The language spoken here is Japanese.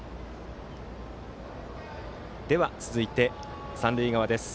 では、続いて三塁側です。